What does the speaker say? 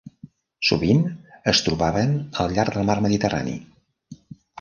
Sovint es trobaven al llarg del mar Mediterrani.